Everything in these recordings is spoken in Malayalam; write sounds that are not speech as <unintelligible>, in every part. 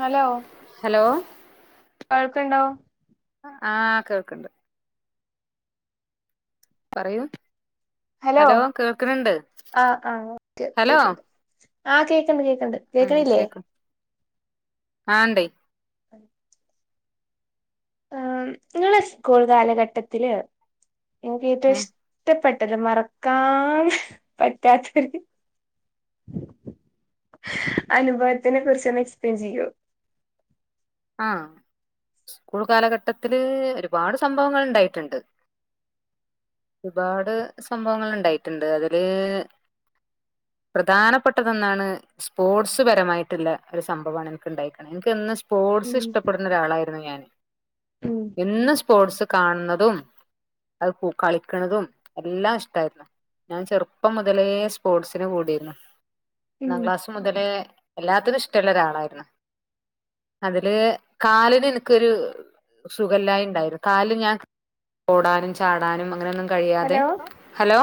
ഹലോ ഹലോ <unintelligible> ആഹ് കേക്കണ്ട്. പറയൂ ഹലോ കേൾക്ക്ണ് ണ്ട് ആഹ് ആഹ് ഓക്കെ ഹലോ കേക്കണ്ട്. ആഹ് കേക്കണ്ട് കേക്കണ്ട് ഉം കേൾക്കണില്ലേ? കേക്ക് ആഹ് ഇണ്ടേ ആം നിങ്ങള് സ്കൂൾ കാലഘട്ടത്തില് എനിക്ക് ഏറ്റവും ഇഷ്ടപ്പെ <unintelligible> മറക്കാൻ പറ്റാത്തൊരു അനുഭവത്തിനെ കുറിച്ച് ഒന്ന് എക്സ്പ്ലെയിൻ ചെയ്യോ ആഹ് സ്കൂൾ കാലഘട്ടത്തില് ഒരുപാട് സംഭവങ്ങൾ ഉണ്ടായിട്ടുണ്ട് ഒരുപാട് സംഭവങ്ങൾ ഉണ്ടായിട്ടുണ്ട് അതില് പ്രധാനപ്പെട്ടതൊന്നാണ് സ്പോർട്സ് പരമായിട്ടുള്ള ഒരു സംഭവാണ് എനിക്ക് ഇണ്ടായിക്ക്‌ണ്‌ എനിക്ക്ന്ന് പോർട്സ് ഉം ഇഷ്ടപ്പെടുന്ന ഒരാളായിരുന്നു ഞാൻ ഉം എന്ന് സ്പോർട്സ് കാണുന്നതും അത് കു കളിക്ക്‌ണതും എല്ലാം ഇഷ്ടായിരുന്നു ഞാൻ ചെറുപ്പം മുതലേ സ്പോർട്സിന് കൂടിരുന്നു ഉം ഒന്നാം ക്ലാസ് മുതലേ എല്ലാത്തിനും ഇഷ്ടള്ള ഒരാളായിരുന്നു അതില് കാലിന് ഇൻക്കൊരു സുഖല്ലായി ഇണ്ടായി കാല് ഞാൻ ഓടാനും ചാടാനും അങ്ങനെയൊന്നും കഴിയാതെ ഹലോ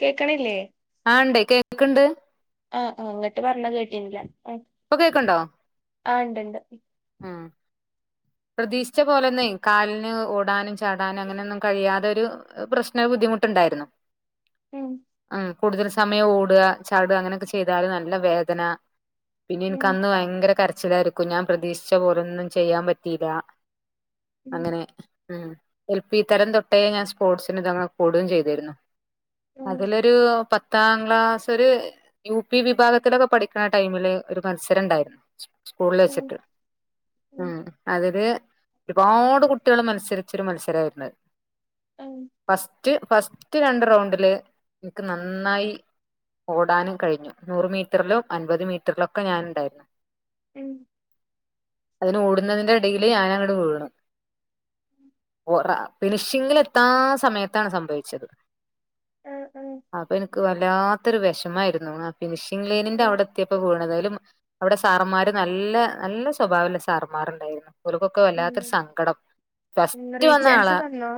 കേക്ക്‌ണില്ലേ ആ ഇണ്ടെയ്‌ കേക്ക്ണ്ട് ആ ആ ഇങ്ങട്ട് പറഞ്ഞത് കേട്ടീന്നില കേക്ക്ണ്ടോ ആ ഇണ്ട് ണ്ട് ഉം പ്രതീക്ഷിച്ച പോലൊന്നു കാലിന് ഓടാനും ചാടാനും അങ്ങനൊന്നും കഴിയാതെ ഒരു പ്രശ്ന ബുദ്ധി മുട്ടുണ്ടായിരുന്നു ഉം കൂടുതൽ സമയം ഓട് ചാട് അങ്ങനെയൊക്കെ ചെയ്താല് നല്ല വേദന പിന്നെ ഉം ഇന്ക്ക് അന്ന് വയങ്കര കരച്ചിലായിരിക്കും ഞാൻ പ്രതീക്ഷിച്ച പോലൊന്നും ചെയ്യാൻ പറ്റീല ഉം അങ്ങനെ എൽ പി തരം തൊട്ടേ ഞാൻ സ്പോർട്സിന് കൂടുകയും ചെയ്തിരുന്നു ഉം അതിലൊരു പത്ത് പത്താം ക്ലാസ് ഒരു യു പി വിഭാഗത്തിലൊക്കെ പഠിക്കണ ടൈമില് ഒരു മത്സരം ഉണ്ടായിരുന്നു സ്കൂളിൽ ഉം വെച്ചിട്ട് ഉം അതില് ഒരുപാട് കുട്ടികൾ മത്സരിച്ചൊരു മത്സരമായിരുന്നു ഉം ഫസ്റ്റ് ഫസ്റ്റ് രണ്ട് റൗണ്ടില് എനിക്ക് നന്നായി ഓടാനും കഴിഞ്ഞു നൂറ് മീറ്ററിലും അൻപത് മീറ്ററിലൊക്കെ ഞാനുണ്ടായിരുന്നു ഉം അതിന് ഓടുന്നതിന്റെ ഇടയില് ഞാനങ്ങട്ട് വീണു അ ഫിനിഷിങ്ങിൽ എത്താൻ സമയത്താണ് സംഭവിച്ചത് ആഹ് ആഹ് അപ്പൊ എനിക്ക് വല്ലാത്തൊരു വിഷമായിരുന്നു ഫിനിഷിംഗ് ലൈനിന്റെ അവിടെ എത്തിയപ്പോ വീണത്. അതില് അവിടെ സാറമ്മാര് നല്ല നല്ല സ്വഭാവള്ള സാറമ്മാര് മാരുണ്ടായിരുന്നു. ഓൽക്കൊക്കെ ഉം വല്ലാത്തൊരു സങ്കടം ഉം ഫസ്റ്റ് വന്ന റീചാൻസ് ആളാ തന്നോ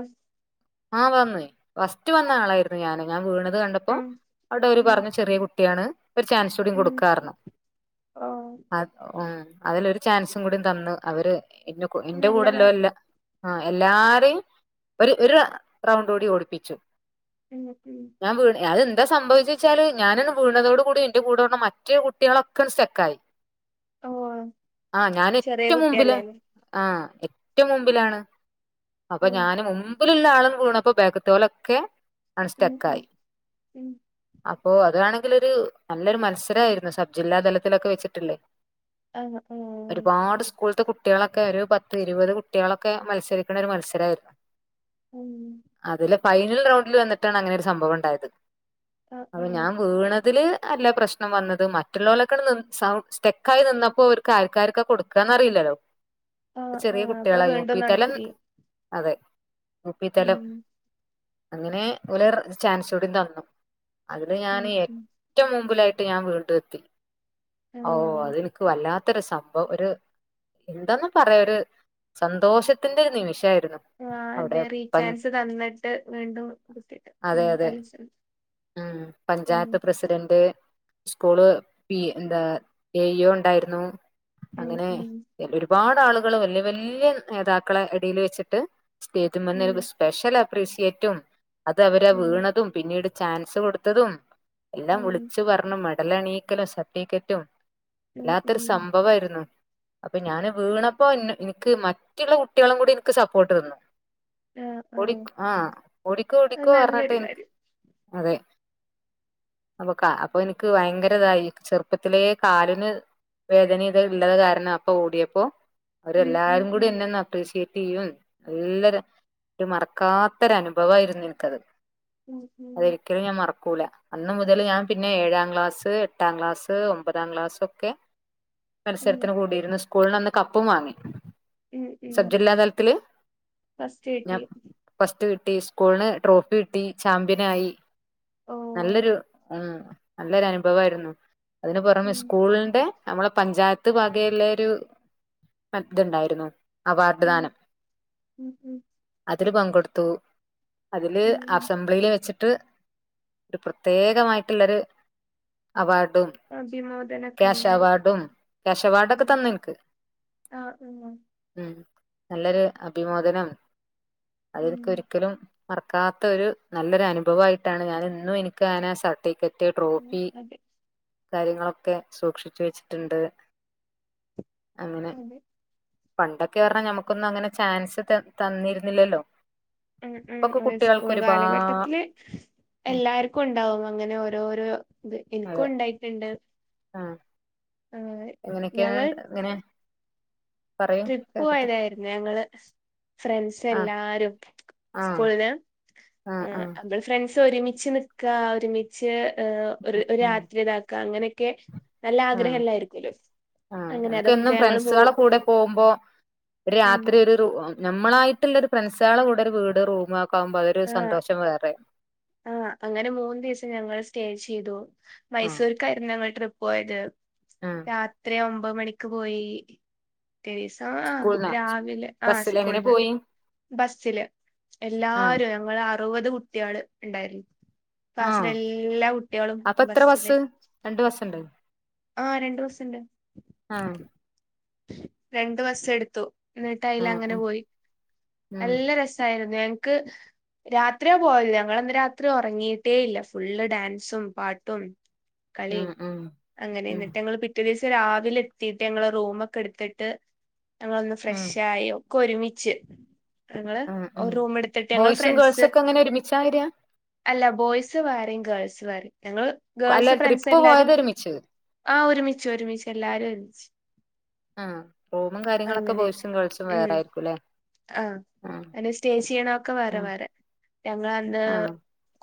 ആഹ വന്നുവെയ് ഫസ്റ്റ് വന്ന ആളായിരുന്നു ഞാന്. ഞാൻ വീണത് കണ്ടപ്പോ ഉം അവിടെ ഓര് ഉം പറഞ്ഞു ചെറിയ കുട്ടി കുട്ടിയാണ്. ഒരു ചാൻസ് കൂടി ഉം കൊടുക്കാന്ന് പറഞ്ഞു. ഓ അതില് ഒരു ചാൻസും കൂടി തന്നു. അവര് എ എന്റെ നല്ല കൂടെല്ലോലെ കാര്യം എല്ലാ ആഹ് എല്ലാരേം ഒരു ഒരു റൗണ്ട് കൂടി ഓടിപ്പിച്ചു ഉം ഉം ഞാൻ വീണു അത് എന്താ സംഭവിച്ച് വെച്ചാല് ഞാനങ്ങട്ട് വീണതോട് കൂടി എന്റെ കൂടെള്ള മറ്റേ കുട്ടിയോളൊക്കെ ങ്ങട്ട് സ്റ്റക്കായി ഓ ആഹ് ചെറിയ ഞാനെറ്റം മുമ്പില് കുട്ടിയല്ലേല്ലേ ആഹ് ഏറ്റം മുമ്പിലാണ് അപ്പൊ ഉം ഞാനും മുമ്പ് മുമ്പിലുള്ള ആളണ് വീണപ്പോ ബാക്കിത്തോലൊക്കെ അങ്ങട്ട് ഉം ഉം സ്റ്റക്കായി ഉം അപ്പൊ ഓ അതാണെങ്കില് ഒരു നല്ലൊരു മത്സരായിരുന്നു സബ്ജില്ലാ തലത്തിലൊക്കെ വെച്ചിട്ടില്ലെ ആഹ് ആഹ് സ്കൂള്ത്തെ കുട്ടികളൊക്കെ ഒരു പത്ത് ഇരുപത് കുട്ടികളൊക്കെ മത്സരിക്ക്‌ണ ഒരു മത്സരായിരുന്നു ഉം അതില് ഫൈനൽ റൗണ്ടിൽ വന്നിട്ടാണ് അങ്ങനെ ഒരു സംഭവം ഉണ്ടായത് ആഹ് അപ്പൊ ആഹ് ഞാൻ വീണതില് അല്ല പ്രശ്നം വന്നത് മറ്റുള്ളോലൊക്കെണ് നിന്നപ്പൊ സ്റ്റക്കായി നിന്നപ്പൊ അവർക്ക് ആർക്കാർക്ക കൊടുക്ക ന്നറിയില്ലല്ലോ ആഹ് ചെറിയ ആഹ് അപ്പൊ കുട്ടികളാ യു വീണ്ടും പി തലം നടത്തി അതെ യു പി ഉം തലം അങ്ങനെ ഓലൊരു ചാൻസൂടി തന്നു അതില് ഞാൻ ഉം ഉം ഏറ്റവും മുമ്പിലായിട്ട് ഞാൻ വീണ്ടും എത്തി ഓ ആഹ് അത് എനിക്ക് വല്ലാത്തൊരു സംഭവം ഒരു എന്താന്ന പറയാ ഒരു സന്തോഷത്തിന്റെ ഒരു നിമിഷായിരുന്നു ആഹ് അവിടെ അതെ പ റീചാൻസ് തന്നിട്ട് വീണ്ടും അതെ അതെ <unintelligible> ഉം ഉം പഞ്ചായത്ത് പ്രസിഡന്റ് സ്കൂള് പി എന്താ എ. ഇ. യേ, ഉണ്ടായിരുന്നു. ഉം അങ്ങനെ ഉം ഒരുപാട് ആളുകള് വല്യ വല്യ നേതാക്കളെ ഇടിൽ വെച്ചിട്ട് ഉം സ്റ്റേജ സ്പെഷ്യൽ അപ്രീഷിയേറ്റും അത് അവരാ ഉം വീണതും പിന്നീട് ചാൻസ് കൊടുത്തതും എല്ലാം ഉം വിളിച്ച് പറഞ്ഞു മെഡൽ എണീയിക്കലും സർട്ടിഫിക്കറ്റും. ഉം വല്ലാത്തൊരു ഉം സംഭവായിരുന്നു. അപ്പൊ ഞാന് വീണപ്പോ എനിക്ക് മറ്റുള്ള കുട്ടികളും കൂടി എനിക്ക് സപ്പോർട്ട് തന്നു. ആഹ് ഒടി ആഹ് ആഹ ഒടിക്കോ, അത് ഒടിക്കോ പറഞ്ഞിട്ട് നല്ലൊരു എനി കാര്യം അതെ. <inaudible> അപ്പൊ അപ്പൊ എനിക്ക് ഭയങ്കര ഇതായി ചെറുപ്പത്തിലെ കാലിന് വേദന ഇത ഉള്ളത് കാരണം അപ്പൊ ഓടിയപ്പോ ഉം ഉം അവരെല്ലാരും കൂടി. ഉം എന്നെ ഒന്ന് അപ്രീഷിയേറ്റ് <unintelligible> എല്ലൊരു ഒരു മറക്കാത്ത ഒരു അനുഭവയിരുന്നു എനിക്കത് ഉം ഉം അതൊരിക്കലും ഞാൻ മറക്ക കുല അന്ന് മുതൽ ഞാൻ പിന്നെ ഏഴാം ക്ലാസ്, എട്ടാം ക്ലാസ്, ഒമ്പതാം ക്ലാസ് ഒക്കെ ഉം മത്സരത്തിന് കൂടിയിരുന്ന് സ്കൂളിന അന്ന് കപ്പും വാങ്ങി. ഉം ഉം സബ്ജില്ല തലത്തില് ഫസ്റ്റ് ഞാൻ കിട്ടി ഫസ്റ്റ്ക് സ്കൂളന് ട്രോഫി കട്ടി ചാമ്പ്യനായി. ഓഹ് നല്ലൊരു ഉ നല്ലൊരു അനുഭവമായിരുന്നു. അതിന് പുറമെ ഉം സ്കൂളിന്റെ നമ്മളെ പഞ്ചായത്ത് ഭാഗയിലെ <unintelligible> ഇത്ണ്ടായിരുന്നു ഉം ഉം ഉം അതില് പങ്കെടുത്തു അതില് ഉം അസംബ്ലിയിൽ വെച്ചി ട് ഒരു പ്രത്യേകമായിട്ടുള്ളരു അവാർഡ് ടും അഭിമോദനൊക്കെ കാശ് ഉണ്ടായി അവാർഡും കാക്ഷ് അവാർഡ ഉം തന്നിനിക് ആഹ് ഉം ഉ നല്ലൊരു അഭിമോദനം ഉം അതനിക്ക് ഒരിക്കലും മറക്കാത്ത ഒരു നല്ലൊരു അനുഭവമായിയിട്ടാണ് ഞാന് ഇന്നും. എനിക്ക് ഞാ ആ <unintelligible> മറ്റേ ഉം ട്രോഫി അതെ കാര്യങ്ങളൊക്കെ സൂക്ഷിച്ചു വെച്ചിട്ടുണ്ട്. അങ്ങനെ അതെ പണ്ടൊക്കെ പറഞ്ഞാൽ നഞമ്മുക്കൊന്നും അങ്ങനെ ചാൻസ് ത തന്നിരുന്നില്ലല്ലോ ഉ ഇപ്പൊക്കെ ഉം കുട്ടികൾക്ക് സ്കൂൾ ഒരുപാ കാലഘട്ടത്തില് എല്ലാർക്കും ഉണ്ടാവും അങ്ങനെ ഓ ഓരോരോ എനിക്കും ഉണ്ടായിട്ടുണ്ട്. ആഹ് എങ്ങനെയൊക്കെയ ഞങ്ങൾ ഇങ്ങനെ പറയൂ ട്രിപ്പ് കേക്കട്ടെ പോയതായിരുന്നു ഞങ്ങള് ഫ്രണ്ട്സ് ആ എല്ലാരും ആ സ്കൂളന് ആ ആ അ ഫ്രണ്ട്സ് ഒരുമിച്ച് നിക്കാ ഒരുമിച്ച് ഏ ഉം, ഒരു രാത്രി ഇതാക്ക അങ്ങനെയൊക്കെ നല്ല ഉം, ആ ആഗ്രഹമല്ലായിരിക്കല്ലോ ആ അങ്ങനെ നമുക്ക് എന്നും അതൊക്കെ ഞങ്ങള്ൾ പോ ഫ്രണ്ട്സുകളെ കൂടെ പോകുമ്പോ രാത്രി ഒരു റൂ നമ്മളായിട്ടുള്ള ഒരു ഫ്രണ്ട്സ് കൂടെ ഒരു വീട് റൂമേ ആ ആ അങ്ങനെ മൂന്ന് ദിവസം ഞങ്ങൾ സ്റ്റേ ചെയ്തു ആ മൈസൂർക്കായിരുന്നു ഞങ്ങൾ ട്രിപ്പ് പോയത് ആ രാത്രി ഒമ്പ മണിക്ക് പോയി ആ സ്കൂൾന്നാ രാവിലെ ആ ബസ്സില് എങ്ങനെ സ്കൂളന്ന് പോയി ബസില് എല്ല ആഹ് ങ്ങ അറുപത് കുട്ടികള് ഉണ്ടായിരുന്നു ക്ലാസിലെ ആഹ് എല്ലാ കുട്ടികളും അപ്പൊ എത്ര ബസില് ബസ്സ് രണ്ട് ബസ്സുണ്ട് ആഹ രണ്ട് ബസുണ്ട് ആഹ് യി രണ്ട് ബസ എടുത്തു. എന്നട്ട അതിൽ ആഹ് അങ്ങനെ ആഹ് പോയി ഉം നല്ല രസായിരുന്നു ഞങ്ങക്ക് രാത്രിയ പോയത് ഞങ്ങളന്ന് രാത്രി ഉറങ്ങിയിട്ടേ ഇല്ല ഫുള്ള് ഡാൻസും, പാട്ടും. ഉം കളിയും ഉം അങ്ങനെ ഉം എന്നിട്ട് ഞങ്ങള്ൾ പിറ്റേ ദിവസം രാവിലെ എത്തിട്ട് ഞങ്ങളെ റൂമ ഒക്കെ എടുത്തിട്ട് ഞങ്ങളൊന്ന് ഉം ഫ്രഷായി ഒക്കെ ഒരുമിച്ച് ഞങ്ങള് ഉം ഉം ഒര് റൂമ് എടുത്തിട്ട് ഞങ്ങള് ബോയ്സും ഗേൾസും ഫ്രണ്ട്സ് ഒക്കെ അങ്ങനെ ഒരുമിച്ചാ വരാ അല്ല ബോയ്സ് വേറേം ഗേൾസ് വേറെയും ഞങ്ങള് അല്ല ഗേൾസ് ഫ്രണ്ട്സ് ട്രിപ്പ് എല്ലാരും പോയത് ഒരുമിച്ച് ആ ഒരുമിച്ച് ഒരുമിച്ച് എല്ലാരും ഒരുമിച്ചു ആ റൂമും കാര്യങ്ങളൊക്കെ ബോയിസും ഗേൾസും വേറാ യിരിക്കുല്ലേ ആഅങ്ങനെ സ്റ്റേ ചെയ്യണ ഒക്കെ വേറെ ആഹ് വേറെ ഞങ്ങൾ അന്ന് ആഹ്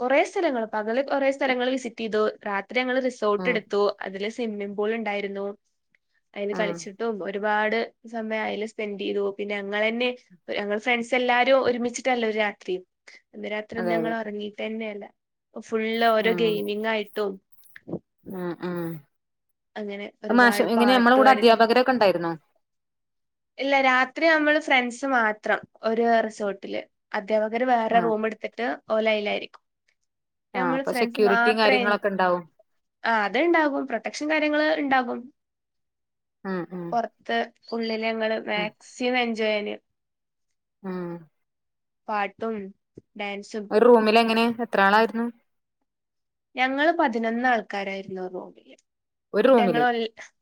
കൊറേ സ് സ്ഥലങ്ങളൊക്കെ ങ്ങള് കൊറെ സ്ഥലങ്ങള് വിസിറ്റ് യ്തു രാത്രി ആഹ് ഞങ്ങ സ്വിമ്മിംഗ് പൂൾ ഇണ്ടായിര്ന്നു അയില് ആഹ് കളിച്ചിട്ടും ഒരുപാട് സമയം അയില് സ്പെൻഡ് യ്തു പിന്നെ ഞങ്ങളെന്നെ ഞങ്ങൾ ഫ്രണ്ട്സ് എല്ലാരും ഒരുമിച്ചിട്ടല്ലോ ഒരു രാത്രി അന്ന് രാത്രി ഒന്നും അതെ അതെ ഞങ്ങള് ഉറങ്ങിട്ട്ന്നെല്ല ഫുള്ള് ഓരോ ഗെയിമിങ്ങായിട്ടും അ അങ്ങനെ ആ മാഷ് ഒരുപാട് എങ്ങനെ പാട്ട് ഞമ്മള കൂടെ പാടി അദ്ധ്യാപകരൊക്കെ ഇണ്ടായിര്ന്നോ ഇല്ല രാത്രി നമ്മള് ഫ്രണ്ട് മാത്രം ഒരു റിസോർട്ടില് അധ്യാപകര് വേറെ ആഹ് റൂമെട്ത്തിട്ട് ഓലയിലായിരിക്കും ആഹ് നമ്മള് അപ്പൊ ഫ്രണ്ട്സ് സെക്യൂരിറ്റിയും മാത്രേൻ കാര്യങ്ങളൊക്കെ ഉണ്ടാവും ആ അത്ണ്ടാകും പ്രൊട്ടക്ഷൻ കാര്യങ്ങള് ഇണ്ടാകും ഉം ഉം പൊറത്ത് ഉള്ളില് ഞങ്ങള് മാക്സിം എൻജോയ്യന് ആ പാട്ടും ഡാൻസും ഒര് റൂമിലെങ്ങനേരുന്നു എത്രാളായിരുന്നു ഞങ്ങള് പതിനൊന്ന് ആൾക്കാരായിരുന്നു റൂമില് ഒരു റൂമില് ഞങ്ങള് ഒൺ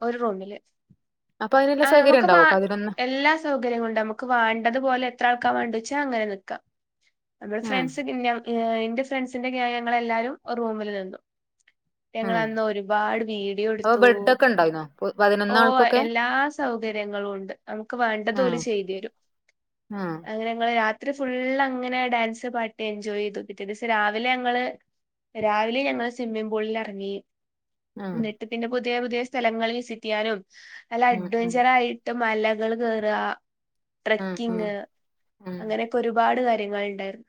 ഒരു റൂമില് അപ്പൊ അതിനുള്ള ആ സൗകര്യം നമുക്ക് മാ ഉണ്ടാവോ പതിനൊന്ന് എല്ലാ സൗകര്യങ്ങളും ണ്ട് നമുക്ക് വാണ്ടതും ക്ക മണ്ടോച്ച അങ്ങനെ നിക്കാ നമ്മള് ആഹ് ഫ്രണ്ട്സ് പിന്നെ എന്റെ ഫ്രണ്ട്സിന്റെ ഗ്യാങ് ഞങ്ങള് എല്ലാരും ഒര് റൂമില് നിന്നു ഞങ്ങള് ആഹ് അന്ന് ഒരുപാട് വീഡിയോ അപ്പൊ ടുത്തു ബെഡ് ഒക്കെ ഉണ്ടായിന്നോ ഓ പതിനൊന്ന് ആൾക്കൊക്കെ എല്ലാ സൗകര്യങ്ങളും ഉണ്ട് നമുക്ക് വേണ്ടത് ഓല് ആഹ് ചെയത് രും ആഹ് അങ്ങനെ ഞങ്ങള് രാത് ത്രി ഫുള്ള് അങ്ങനെ ഡാൻസ് പാട്ടി എൻജോയ്തു പിറ്റേ ദിവസം രാവിലെ ഞങ്ങള് രാവിലെ ഞങ്ങള് സിമ്മിംങ് പൂളിലെറങ്ങി ആഹ് ന്നിട്ട് <unintelligible> പുതിയ പുതിയ സ്ഥലങ്ങൾ വിസിറ്റ് യ്യാനും നല്ല ഉം ഉം അഡ്വെഞ്ചറായിട്ട് മലകൾ കേറ് ഉം ഉം ട്രക്കിങ് ഉം അങ്ങനെയൊക്കെ ഒരുപാട് കാര്യങ്ങള്ണ്ടായിര്ന്നു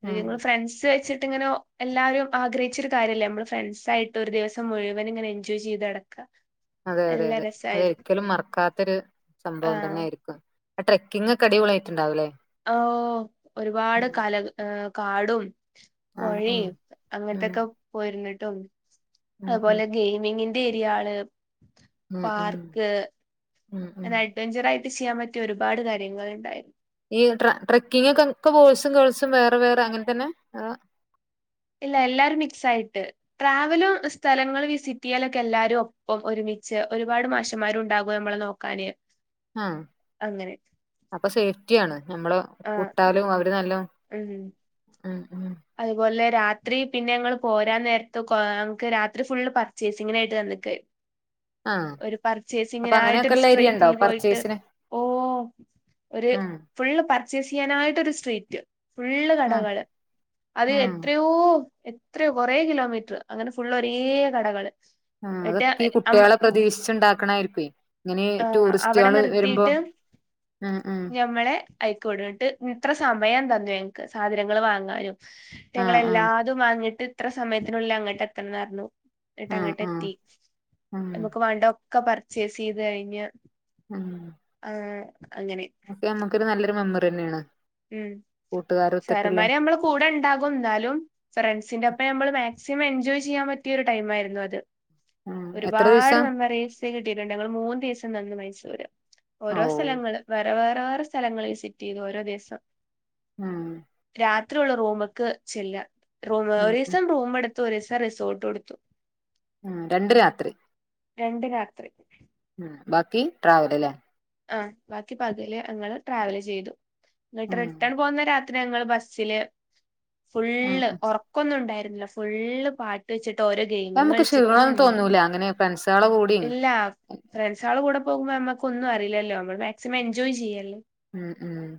പിന്നെ ഉം ഞങ്ങള് ഫ്രണ്ട്സ് വെച്ചിട്ട് ഇങ്ങനൊ എല്ലാരും ആഗ്രഹിച്ചൊരു കാര്യല്ലേ നമ്മള് ഫ്രണ്ട്സായിട്ട് ഒരു ദിവസം മുഴുവനും ഇങ്ങനെ എൻജോയ് ചെയ്ത് നടക്ക് അതെ അതെ അതെ അതൊരിക്കലും മറക്കാത്തൊരു സംഭവം തന്നെ ആഹ് ആയിരിക്കും ആ ട്രക്കിങ് ഒക്കെ അടിപൊളി യാ യിട്ടുണ്ടാവ് ല്ലേ ഓ ഒരുപാട് കാല ഏ കാടും ആഹ് പൊഴേ ആഹ് ഉം അങ്ങൻത്തൊക്കെ പോയിര് ന്നിട്ടും ഉം ഉം അത്പോലെ ഗെയിമിങ്ങി <unintelligible> ഉം ഉം പാർക്ക് ഉം ഉം അങ്ങനെ അഡ് വെഞ്ചറായി ചെയ്യാൻ പറ്റിയ ഒരുപാട് കാര്യങ്ങൾ ഇണ്ടായിരുന്നു ഈ ട്ര ട്രക്കിങ് ഒക്കെ ഒക്കെ വോയ്‌സും ഗേൾസും വേറെ വേറെ അങ്ങനെ തന്നെ അ ഇല്ല എല്ലാരും മിക്സ് ആയിട്ട് ട്രാവലും സ്ഥലങ്ങള് വിസിറ്റ് യ്യലൊക്കെ എല്ലാരും ഒപ്പം ഒരുമി ച്ച് ഒരുപാട് മാഷമ്മാര് ഉണ്ടാകും നമ്മളെ നോക്കാന് ആ അങ്ങനെ അപ്പൊ സേഫ്റ്റി ആണ് നമ്മള വു ട്ടാലും അവര് മ് അ ആ അതുപോലെ രാത്രി പിന്നെ ങ്ങള് പോരാൻ നേരത്ത് കൊ ങ്ങക്ക് രാത്രി ഫുള്ള് പച്ചേസിങ്ങിനായിട്ട് തന്ന് എക്കെ ആഹ് ഒരു അപ്പൊ പർച്ചേസ്ങ്ങനായിട്ടൊരു അങ്ങനെയൊക്കെള്ള ഏരിയ ഉണ്ടോ സ്ട്രീറ്റിൽ പോയിട്ട് പർച്ചേസിന് ഓ ഒരു ആഹ് ഫുളള് പർ പർച്ചേസ് ചെയ്യാനായിട്ട്ടൊരു സ്ട്രീറ്റ് ഫുള്ള് ആഹ് കടകള് അത് ആഹ് എത്രയോ എത്രയോ കൊറേ കിലോമീറ്റർ അങ്ങനെ ഫുള്ള് ഒരേ കടകള് ആ എന്നിട്ട് അതൊക്കെ ഈ അം കുട്ടികളെ പ്രതീക്ഷിച്ചുണ്ടാക്ക് ണായിരിക്കും ഇങ്ങനെ ആഹ് അവിടെ ടൂറിസ്റ്റുകൾ വരുമ്പോ നിർത്തിയിട്ട് അ ഹാ അയിക്കോടങ്ങിട്ട് ഇത്ര സമയം തന്നു ഞങ്ങക്ക് സാധനങ്ങൾ വാങ്ങാനും ഞങ്ങൾ ആഹ് ആഹ് എല്ലാതും വാങ്ങിട്ട് ഇത്ര സമയത്തിനുള്ളിൽ അങ്ങോട്ട് എത്തണംന്ന്‌ പറഞ്ഞു എന്നട്ട് ആഹ് അങ്ങട്ട് ആഹ് എത്തി ഉം നമുക്ക് വേണ്ടതൊക്കെ പർച്ചേസ് ചെയ്ത് കഴിഞ്ഞ് ആ ഓക്കെ നമ്മുക്കൊരു നല്ലൊരു മെമ്മറി ന്നെണ് ഉം സേറന്മാര് നമ്മൾ കൂടെ ഉണ്ടാകും എന്നാലും ഫ്രണ്ട്സിന്റെ ഒപ്പം നമ്മള്ക് മാക് സിമം എൻജോയ് ചെയ്യാൻ പറ്റിയ ഒരു ടൈം ആയിരുന്നു അത് ഉം എത്ര ഒരുപാട് ദിവസം മെമ്മറീസ് കിട്ടിയിട്ടുണ്ട് ഞങ്ങള് മൂന്ന് ദിവസം നിന്നു മൈസൂര് ഓ ഓരോ സ്ഥലങ്ങള് വേറെ വേറെേറെ സ്ഥലങ്ങള് വിസിറ്റ് ചെയ്തു ഓരോ ദിവസം ഉം അത്രുള്ള റൂമ്ക്ക് ചെല്ലാ റൂ ഉം ഒരു ഉം ദിവസം റൂമ് എടുത്തു ഒരീസം റിസോർട്ട് എടുത്തു ഉ രണ്ട് രാത്രി രണ്ട് രാത്രി ഉം ബാക്കി ട്രാവല് ലെ ആ ബാക്കി പകല് അങ്ങള് ട്രാവല് ചെയ്തു എന്നിട്ട് ഉം റിട്ടേൺ പോന്ന രാ ത്രി ഞങ്ങള് ബസില് ഉം ഫുള്ള് ഉം ഉറക്കൊന്നും ഉണ്ടായിരുന്നില്ല ഫുള്ള് പാട്ട് വെച്ചി ട്ട് ഓരോ അപ്പൊ ഗെയിമിങ് നമുക്ക് കളിച്ചിട്ടും ക്ഷീണൊന്നും തോന്നൂല അങ്ങനെ ഫ്രണ്ട്സുകളെ കൂടിയും ഇല്ല ഫ്രണ്ട്സാളെ കൂടെ പോകുമ്പോ നമ്മുക്ക് ഒന്നും അറിയില്ലല്ലോ നമ്മൾ മാക്സിമം എൻജോയ് ചെയ്യല്ലേ ഉം ഉം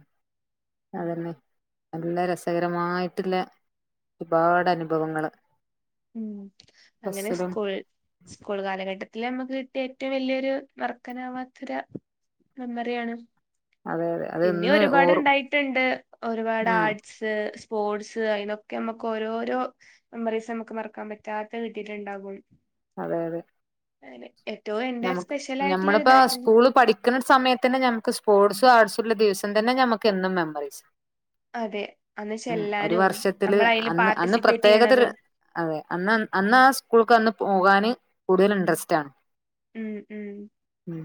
അതന്നെ നല്ല രസകരമായിട്ടില്ലെ ഒരുപാട് അനുഭവങ്ങള് ഉം അങ്ങനെ ബസ്സിലും സ്കൂൾ സ്കൂൾ കാലഘട്ടത്തില് നമ്മക്ക് ക്ക് കിട്ടിയ ഏറ്റവും വലിയൊരു മറ ക്കാ നാവാത്തൊരു മെമ്മറിയാണ് അതെ അതെ പിന്നെ അതൊന്നും ഓറും ഒരുപാട്ണ്ടായിട്ടുണ്ട് ഒരുപാട് ഉം ആർട്സ് സ്പോർട്സ് അതിനൊക്കെ നമുക്ക് ഓരോരോ മെമ്മറീസ് നമുക്ക് മറക്കാൻ പറ്റാത്ത കിട്ടീട്ടു ണ്ടാകും അതെ അതെ എന്റെ നമക്ക് സ്പെഷ്യൽ ആയിട്ടുള്ള ഞമ്മളിപ്പോ ഇതായിരുന്നു സ്കൂള് പഠിക്കുന്ന സമയ തന്നെ നമ്മക്ക് സ്പോർട്സ് സും ആഡ്സും ഉള്ള ദിവസം തന്നെ ഞമ്മക്ക് എന്നും മെമ്മറീസാ അതെ അന്ന് ഉ ഒരു ചെല്ലാനും വർഷത്തില് നമ്മൾ അതിൽ അന്ന് അന്ന് പാർട്ടിസിപ്പേറ്റ് പ്രത്യേകതര് ചെയ്യണതും അതെ അ അന്ന ആ സ്കൂൾക്കന്ന് പോകാന് കൂടുതൽ ഇൻട്രസ്റ്റ് ആണ് ഉം ഉം ഉം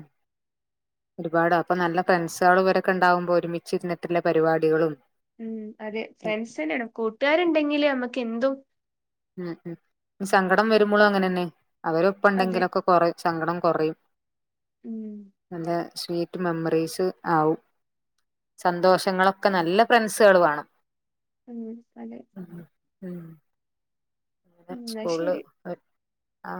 ഒരുപാട് അപ്പൊ നല്ല ഫ്രണ്ട്സാളും ഇവരൊക്കെ ഉണ്ടാവുമ്പോൾ ഒരുമിച്ച് ഇരു ന്നിട്ടുള്ള പരിപാടികളും ഉം അതെ ഫ്രണ്ട്സ് തന്നെയാണ് കൂട്ടുകാരുണ്ടെങ്കില് നമ്മക്ക് എന്തും ഉം ഉം സങ്കടം വരുമ്പോളും അങ്ങനെ തന്നെ അവര് ഒപ്പം അതെ ഉണ്ടെങ്കിലൊക്കെ കോറിം സങ്കടം കൊറിം ഉം സ്വീറ്റ് മെമ്മറീസ് ആവും സന്തോഷങ്ങളൊക്കെ നല്ല ഫൻസുകള് വേണം ഉം അതെ ഉം ഉം എന്നാ സ്കൂള് ശരി ഹ് ആ